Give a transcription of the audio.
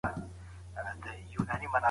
زه به په راتلونکي کي هم په اخلاص کار وکړم.